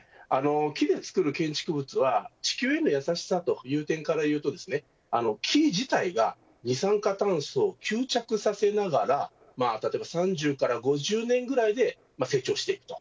木で作る建築物は地球への優しさという点から言うと木自体が二酸化炭素を吸着させながら３０から５０年ぐらいで成長していく。